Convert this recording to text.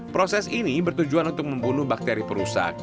proses ini bertujuan untuk membunuh bakteri perusak